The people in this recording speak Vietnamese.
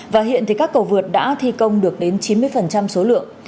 và hiện các cầu vượt đã thi công được đến chín mươi số lượng